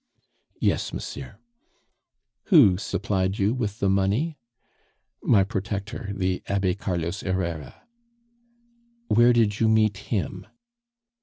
"Yes, monsieur." "Who supplied you with the money?" "My protector, the Abbe Carlos Herrera." "Where did you meet him?"